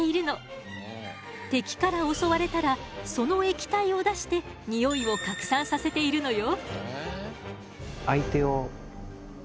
敵から襲われたらその液体を出してニオイを拡散させているのよ。